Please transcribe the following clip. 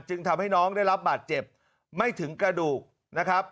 ทำให้น้องได้รับบาดเจ็บไม่ถึงกระดูกนะครับ